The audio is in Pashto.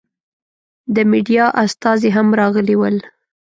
د مېډیا استازي هم راغلي ول.